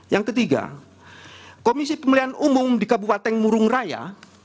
yang ketiga komisi pemilihan umum di kabupaten murung raya